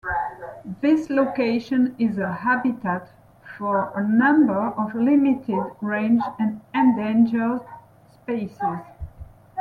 This location is a habitat for a number of limited range and endangered species.